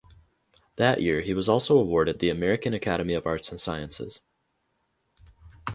That year he was also awarded the American Academy of Arts and Sciences.